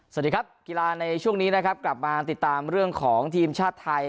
สวัสดีครับกีฬาในช่วงนี้นะครับกลับมาติดตามเรื่องของทีมชาติไทย